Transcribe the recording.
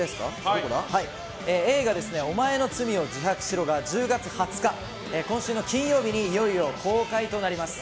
映画「おまえの罪を自白しろ」が１０月２０日、今週の金曜日にいよいよ公開となります。